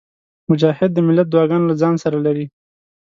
مجاهد د ملت دعاګانې له ځانه سره لري.